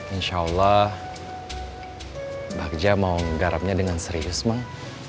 insya allah bagjah mau ngegarapnya dengan serius bang